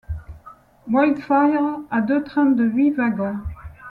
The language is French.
Wildfire a deux trains de huit wagons.